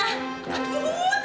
aduh jangan bantu saya itu